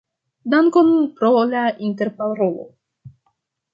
Dankon pro la interparolo.